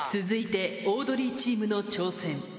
続いてオードリーチームの挑戦。